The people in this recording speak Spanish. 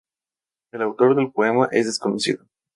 El autor del poema es desconocido.